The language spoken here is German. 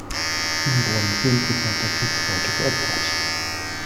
Ihm wurden zehn Prozent der Kriegsbeute geopfert.